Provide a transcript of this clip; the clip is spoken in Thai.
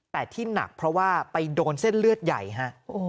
แต่ที่หนักเพราะว่าไปโดนเส้นเลือดใหญ่ฮะ